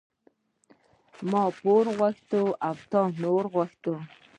ـ ما پور غوښته تا نور غوښته.